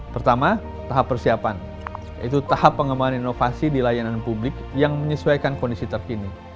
pertama tahap persiapan itu tahap pengembangan inovasi di layanan publik yang menyesuaikan kondisi terkini